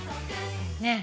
ねえ。